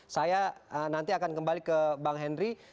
saya nanti akan kembali ke bang henry